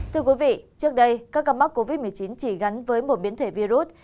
thưa quý vị trước đây các gặp mắt covid một mươi chín chỉ gắn với một biến thể virus